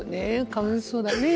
かわいそうだね。